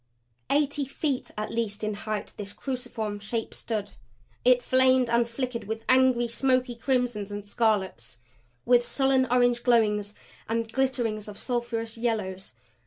Eighty feet at least in height, this cruciform shape stood. It flamed and flickered with angry, smoky crimsons and scarlets; with sullen orange glowings and glitterings of sulphurous yellows.